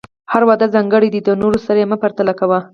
هر واده ځانګړی دی، د نورو سره یې مه پرتله کوه.